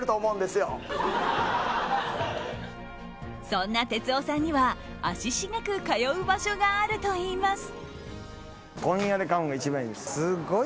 そんな哲夫さんには足しげく通う場所があるといいます。